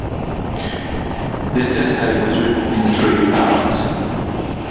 This essay was written in three parts.